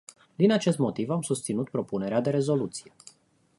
Din acest motiv, am susținut propunerea de rezoluție.